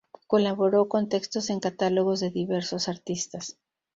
Colaboró con textos en catálogos de diversos artistas.